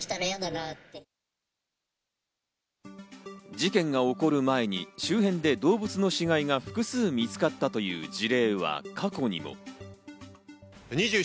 事件が起こる前に周辺で動物の死骸が複数見つかったという事例は過去にも。